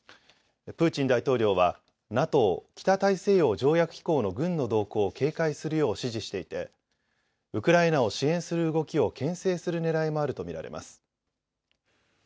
プーチン大統領はＮＡＴＯ・北大西洋条約機構の軍の動向を警戒するよう指示していてウクライナを支援する動きをけん制するねらいもあると見られます。